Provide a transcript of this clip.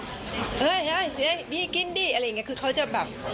เฮ้ยเฮ้ยนี่กินดิอะไรอย่างเงี้ยคือเขาจะแบบ